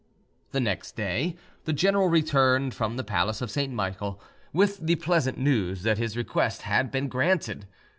The next day the general returned from the palace of St. Michel with the pleasant news that his request had been granted.